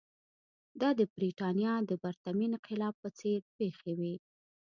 دا د برېټانیا د پرتمین انقلاب په څېر پېښې وې.